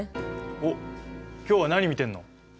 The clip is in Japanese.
おっ今日は何見てるの？